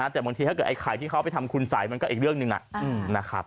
แต่บางครั้งเวลาไข่ที่เขาไปทำคนสายมันก็อีกเรื่องหนึ่งนะ